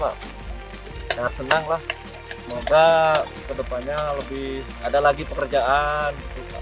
sangat senanglah semoga ke depannya lebih ada lagi pekerjaan